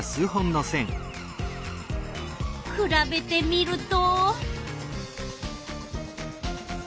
くらべてみると。